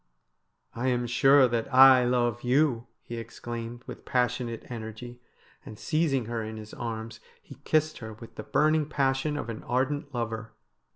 ' I am sure that I love youj he exclaimed with passionate THE BRIDE OF DEATH 97 energy, and seizing her in his arms he kissed her with the burning passion of an ardent lover.